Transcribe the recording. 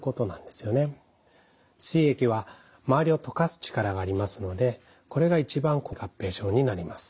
すい液は周りを溶かす力がありますのでこれが一番怖い合併症になります。